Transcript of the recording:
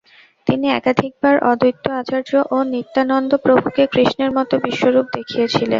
তিনি একাধিকবার অদ্বৈত আচার্য ও নিত্যানন্দ প্রভুকে কৃষ্ণের মতো বিশ্বরূপ দেখিয়েছিলেন।